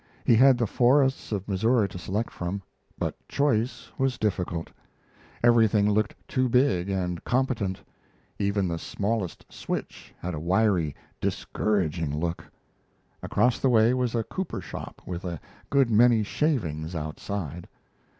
He had the forests of Missouri to select from, but choice was difficult. Everything looked too big and competent. Even the smallest switch had a wiry, discouraging look. Across the way was a cooper shop with a good many shavings outside.